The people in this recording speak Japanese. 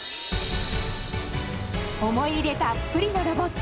思い入れたっぷりのロボット